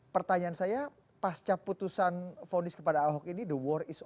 pertanyaan saya pasca putusan fonis kepada ahok ini the war is o